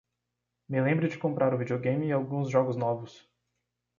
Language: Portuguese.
Me lembre de comprar o videogame e alguns jogos novos